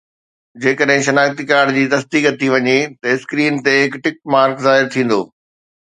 جيڪڏهن شناختي ڪارڊ جي تصديق ٿي وڃي ته اسڪرين تي هڪ ٽڪ مارڪ ظاهر ٿيندو